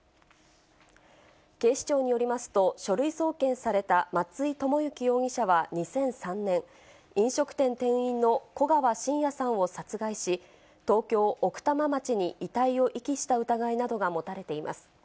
警視庁によりますと、書類送検された松井知行容疑者は２００３年、飲食店店員の古川信也さんを殺害し、東京・奥多摩町に遺体を遺棄した疑いなどが持たれています。